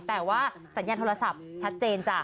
แต่ว่าสัญญาณโทรศัพท์ชัดเจนจ้ะ